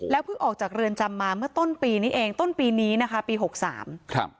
เพิ่งออกจากเรือนจำมาเมื่อต้นปีนี้เองต้นปีนี้นะคะปีหกสามครับ